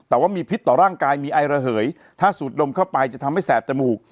แต่ว่ามีพิษต่อร่างกายมีไอระเหยถ้าสูดดมเข้าไปจะทำให้แสบจมูก